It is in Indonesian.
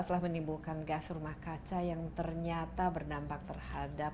telah menimbulkan gas rumah kaca yang ternyata berdampak terhadap